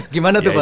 gimana tuh pak